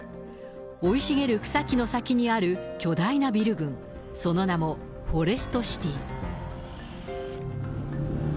生い茂る草木の先にある巨大なビル群、その名もフォレストシティ。